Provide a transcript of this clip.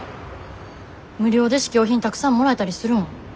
無料で試供品たくさんもらえたりするん？